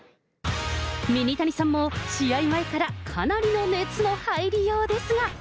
ミニタニさんも試合前からかなりの熱の入りようですが。